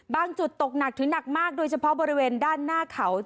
จุดตกหนักถึงหนักมากโดยเฉพาะบริเวณด้านหน้าเขา